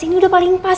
ini udah paling pas